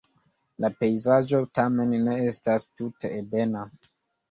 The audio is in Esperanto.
La pejzaĝo tamen ne estas tute ebena.